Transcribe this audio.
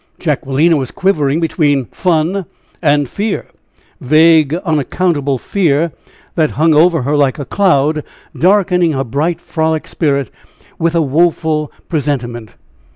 Jacquelina was quivering between fun and fear vague, unaccountable fear, that hung over her like a cloud, darkening her bright frolic spirit with a woeful presentiment.